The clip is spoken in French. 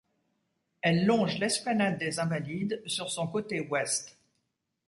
Elle longe l’esplanade des Invalides sur son côté ouest.